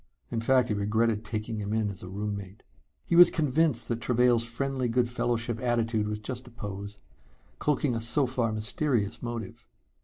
In fact, he regretted taking him in as a roommate. He was convinced that Travail's friendly good fellowship attitude was just a pose, cloaking a so far mysterious motive.